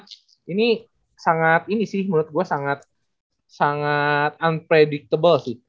nah ini sangat ini sih menurut gue sangat unpredictable sih